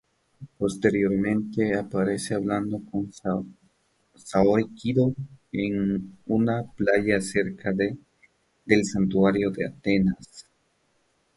Posteriormente, aparece hablando con Saori Kido en una playa cerca del Santuario de Atenea.